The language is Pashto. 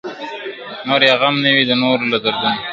نور یې غم نه وي د نورو له دردونو ..